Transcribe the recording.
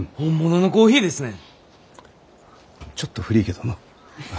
ちょっと古いけどのお。